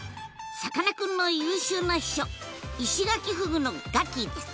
さかなクンの優秀な秘書イシガキフグのガキィです。